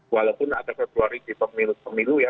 walaupun ada februari di pemilu pemilu ya